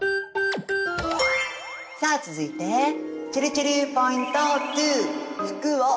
さあ続いてちぇるちぇるポイント２。